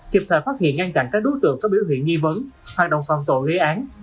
kịp thời phát hiện ngăn chặn các đối tượng có biểu hiện nghi vấn hoặc đồng phạm tội lý án